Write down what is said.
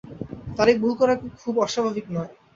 তারিখ ভুল করা খুব অস্বাভাবিক নয়।